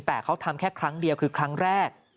แต่เขาทำแค่ครั้งเดียวคือครั้งแรก